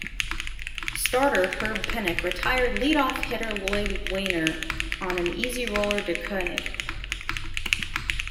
Starter Herb Pennock retired leadoff hitter Lloyd Waner on an easy roller to Koenig.